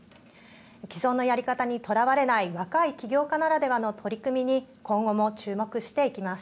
既存のやり方にとらわれない若い起業家ならではの取り組みに今後も注目していきます。